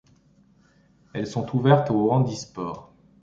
Elles sont ouvertes au handisport.